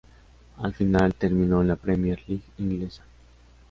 Al final, terminó en la Premier League inglesa.